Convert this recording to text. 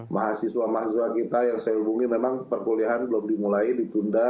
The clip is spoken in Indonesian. mahasiswa mahasiswa kita yang saya hubungi memang perkuliahan belum dimulai ditunda